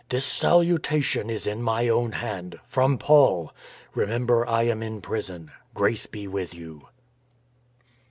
" This salutation is in my own hand, from Paul. Remember I am in prison. Grace be with you."